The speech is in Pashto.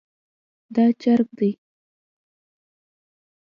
دا چرګ دی